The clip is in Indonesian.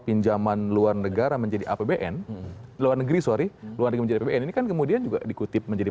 pinjaman luar negara menjadi apbn luar negeri sorry luar negeri menjadi apbn ini kan kemudian juga dikutip menjadi